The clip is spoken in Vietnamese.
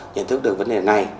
nhận thức được vấn đề này